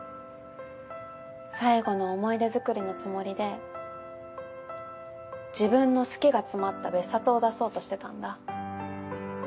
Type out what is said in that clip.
最後の思い出づくりのつもりで自分の好きが詰まった別冊を出そうとしてたんだ。